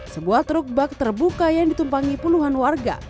sebuah truk bak terbuka yang ditumpangi puluhan warga